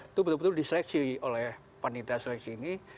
itu betul betul diseleksi oleh panitia seleksi ini